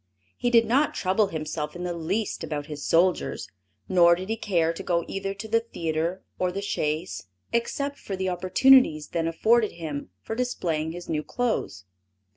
He did not trouble himself in the least about his soldiers; nor did he care to go either to the theatre or the chase, except for the opportunities then afforded him for displaying his new clothes.